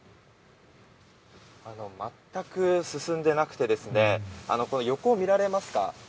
全く進んでなくてこの横、見られますか？